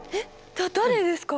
だ誰ですか？